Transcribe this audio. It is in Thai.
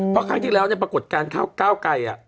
เพราะครั้งที่แล้วปรากฏการณ์ก้าวไกร